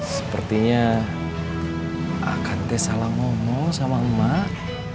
sepertinya akan teh salah ngomong sama emak